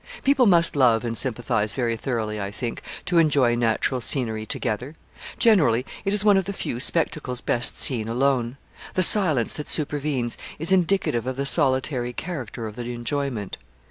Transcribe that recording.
People must love and sympathise very thoroughly, I think, to enjoy natural scenery together. Generally it is one of the few spectacles best seen alone. The silence that supervenes is indicative of the solitary character of the enjoyment.